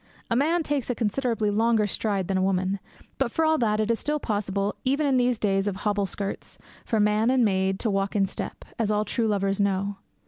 A man takes a considerably longer stride than a woman; but, for all that, it is still possible, even in these days of hobble skirts, for man and maid to walk in step, as all true lovers know.